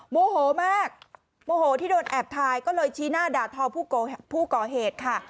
โมโหมากโมโหที่โดนแอบถ่ายก็เลยชี้หน้าด่าทอผู้ก่อเหตุค่ะ